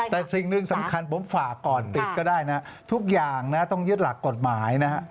แต่สิ่งหนึ่งสำคัญผมฝากก่อนติดก็ได้นะทุกอย่างนะต้องยึดหลักกฎหมายนะฮะ